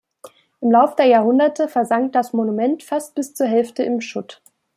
Im Lauf der Jahrhunderte versank das Monument fast bis zur Hälfte im Schutt.